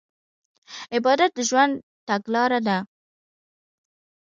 عبادت د ژوند تګلاره ده.